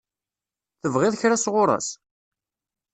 Tebɣiḍ kra sɣur-s?